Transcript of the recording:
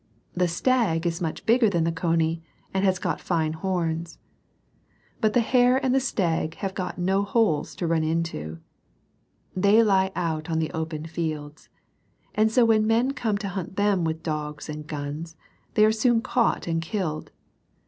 The stag is much bigger than the cony, and has got fine horns. But the hare and the stag have got no holes to run into. They lie out on the open fields. And so when men come to hunt them with dogs and guns, they are soon caught and killed.